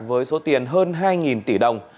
với số tiền hơn hai tỷ đồng